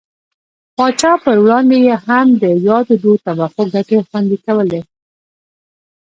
پاچا پر وړاندې یې هم د یادو دوو طبقو ګټې خوندي کولې.